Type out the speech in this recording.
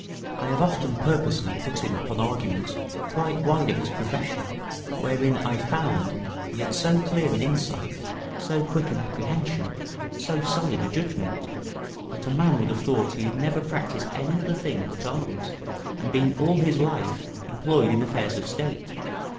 I have often purposely put him upon arguments quite wide of his profession, wherein I found he had so clear an insight, so quick an apprehension, so solid a judgment, that a man would have thought he had never practised any other thing but arms, and been all his life employed in affairs of State.